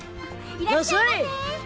いらっしゃいませ！